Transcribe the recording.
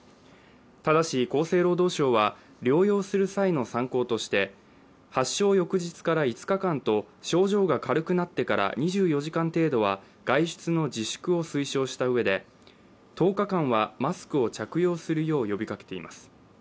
ただし厚生労働省は療養する際の参考として発症翌日から５日間と症状が軽くなってから２４時間程度は外出の自粛を推奨したうえで、１０日間はマスクを着用するよう呼びかけています。